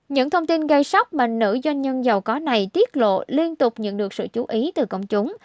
những thông tin gây sốc mà nữ doanh nhân giàu có này tiết lộ liên tục nhận được sự chú ý từ công chúng